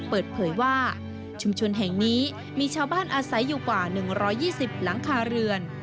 เปิดเผยว่าชุมชนแห่งนี้มีชาวบ้านอาศัยอยู่กว่า๑๒๐หลังคาเรือน